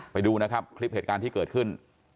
ไปดูนะครับคลิปเหตุการณ์ที่เกิดขึ้น